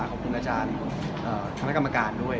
ขอบคุณอาจารย์คณะกรรมการด้วย